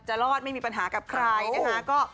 รอดไม่มีปัญหากับใครนะคะ